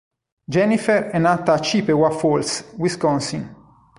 Jennifer è nata a Chippewa Falls, Wisconsin.